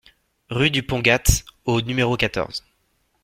Rue du Pont Gate au numéro quatorze